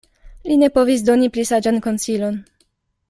Li ne povis doni pli saĝan konsilon.